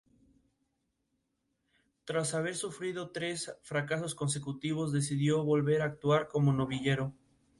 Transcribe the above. Tras haber sufrido tres fracasos consecutivos, decidió volver a actuar como novillero.